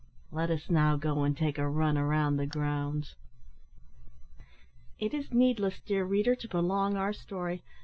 Let us now go and take a run round the grounds." It is needless, dear reader, to prolong our story.